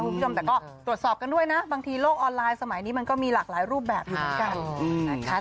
คุณผู้ชมแต่ก็ตรวจสอบกันด้วยนะบางทีโลกออนไลน์สมัยนี้มันก็มีหลากหลายรูปแบบอยู่เหมือนกันนะคะ